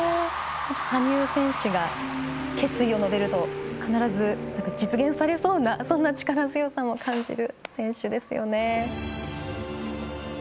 羽生選手が決意を述べると必ず実現されそうな力強さも感じる選手ですよね。